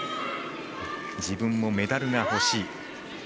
自分もメダルが欲しい。